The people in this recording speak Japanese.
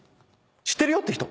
知ってるよって人！